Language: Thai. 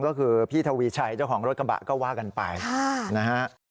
ก็คือพี่ทวีชัยเจ้าของรถกระบะก็ว่ากันไปนะฮะ